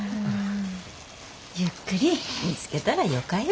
ゆっくり見つけたらよかよ。